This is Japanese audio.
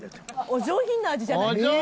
お上品な味じゃないですか？